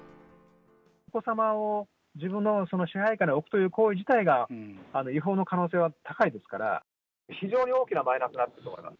お子様を自分の支配下に置くという行為自体が違法の可能性は高いですから、非常に大きなマイナスになっていると思います。